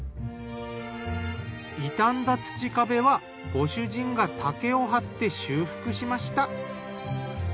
傷んだ土壁はご主人が竹を貼って修復しました。